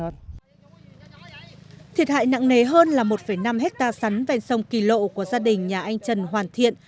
thiệt hại nặng nề hơn là một năm hectare sắn ven sông kỳ lộ của gia đình nhà anh trần hoàn thiện